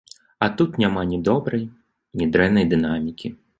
А тут няма ні добрай, ні дрэннай дынамікі.